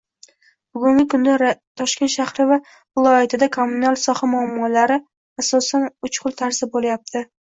Bugungi kunda Toshkent shahri va viloyatida kommunal soha muammolari, asosan, uch xil tarzda boʻlayapti.